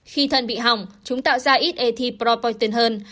khi thận bị hỏng chúng tạo ra ít ethylpropoietin hơn